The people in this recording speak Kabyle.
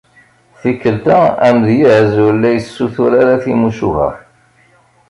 Tikkelt-a, amedyaz ur la yessutur ara timucuha.